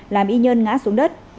làm y nhân ngã xuống đất